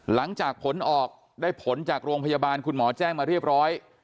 หลังจากผลออกได้ผลจากโรงพยาบาลคุณหมอแจ้งมาเรียบร้อย